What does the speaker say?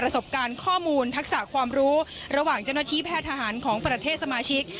สบการณ์ข้อมูลทักษะความรู้ระหว่างเจ้าหน้าที่แพทย์ทหารของประเทศสมาชิก